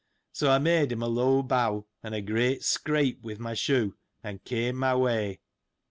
So, I made him a low bow, and a great scrape with my shoe, and came my way.